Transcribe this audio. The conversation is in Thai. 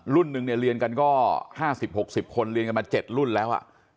นึงเนี่ยเรียนกันก็๕๐๖๐คนเรียนกันมา๗รุ่นแล้ว